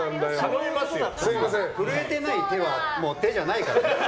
震えてない手は手じゃないからね。